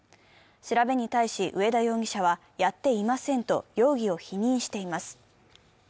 調べに対し上田容疑者はやっていませんと容疑を否認しています。